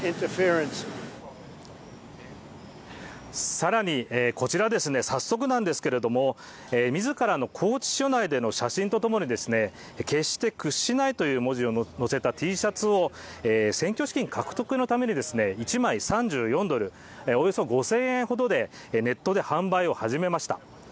さらにこちらですね早速なんですけれども自らの拘置所内での写真とともに決して屈しないという文字を載せたＴシャツを選挙資金獲得のために１枚３４ドルへおよそ５０００円ほどでネットで販売を始めました